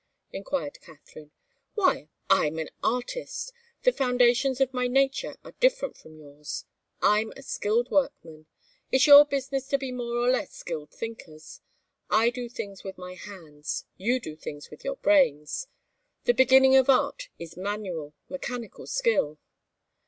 enquired Katharine. "Why I'm an artist. The foundations of my nature are different from yours. I'm a skilled workman. It's your business to be more or less skilled thinkers. I do things with my hands, you do things with your brains. The beginning of art is manual, mechanical skill.